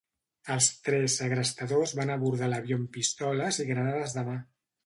Els tres segrestadors van abordar l'avió amb pistoles i granades de mà.